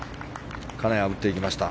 金谷、打っていきました。